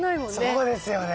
そうですよね。